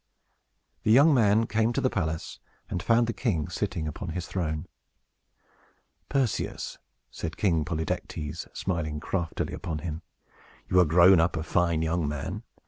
The young man came to the palace, and found the king sitting upon his throne. "Perseus," said King Polydectes, smiling craftily upon him, "you are grown up a fine young man.